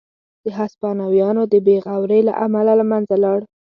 د هسپانویانو د بې غورۍ له امله له منځه لاړ.